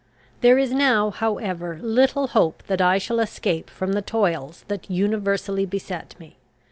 There is now, however, little hope that I shall escape from the toils that universally beset me.